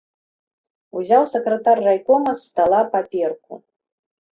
Узяў сакратар райкома з стала паперку.